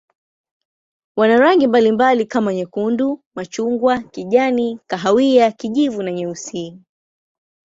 Wana rangi mbalimbali kama nyekundu, machungwa, kijani, kahawia, kijivu na nyeusi.